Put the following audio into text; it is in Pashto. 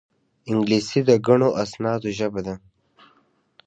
انګلیسي د ګڼو اسنادو ژبه ده